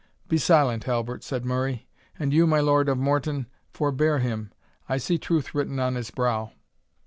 "Be silent, Halbert," said Murray, "and you, my Lord of Morton, forbear him. I see truth written on his brow."